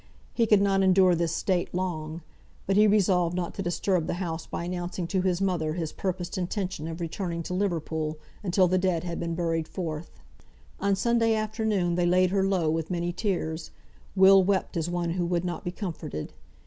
He could not endure this state long; but he resolved not to disturb the house by announcing to his mother his purposed intention of returning to Liverpool, until the dead had been carried forth. On Sunday afternoon they laid her low with many tears. Will wept as one who would not be comforted.